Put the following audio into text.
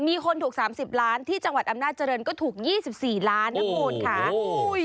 มีคนถูก๓๐ล้านที่จังหวัดอามนาฎเจริญก็ถูก๒๔ล้านด้วยความโมงค่ะ